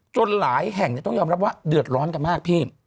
หลายแห่งต้องยอมรับว่าเดือดร้อนกันมากพี่